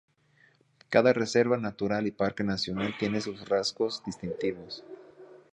Cada reserva natural y parque nacional tiene sus rasgos distintivos.